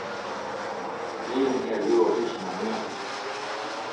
ar melen eo al liv a blij din ar muiañ.